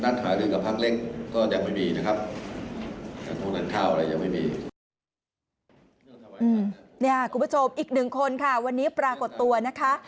คุณผู้ชมอีกหนึ่งคนค่ะวันนี้ปรากฏตัวนะคะ